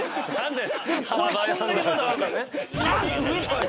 でもこれこんだけまだあるからね。